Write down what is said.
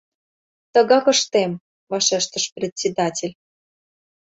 — Тыгак ыштем, — вашештыш председатель.